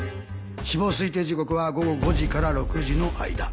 死亡推定時刻は午後５時から６時の間。